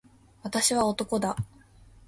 私は男だ。